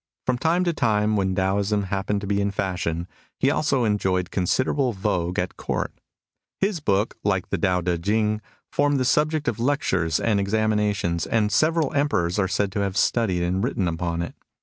From time to time, when Taoism happened to be in fashion, he also enjoyed considerable vogue at Court. His book, like the Too Ti Ching, formed the subject of lectures and examinations, and several Emperors are said to have studied and written upon it.